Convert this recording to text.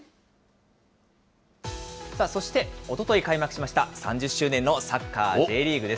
そして、おととい開幕しました３０周年のサッカーＪリーグです。